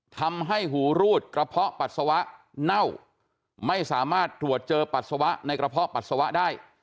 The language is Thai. ทำให้หูรูดกระเพาะปัสสาวะเน่าไม่สามารถตรวจเจอปัสสาวะในกระเพาะปัสสาวะได้